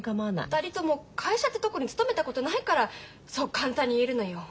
２人とも会社ってとこに勤めたことないからそう簡単に言えるのよ。